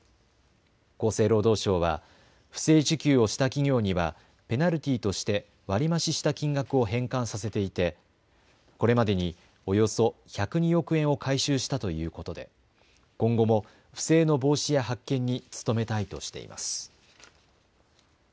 厚生労働省は不正受給をした企業にはペナルティーとして割り増しした金額を返還させていてこれまでにおよそ１０２億円を回収したということで今後も不正の防止や発見に努めたいとしています。